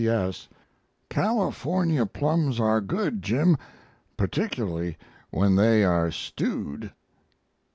P.S. California plums are good. Jim, particularly when they are stewed.